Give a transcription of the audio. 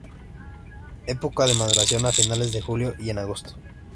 Época de maduración a finales de julio y en agosto.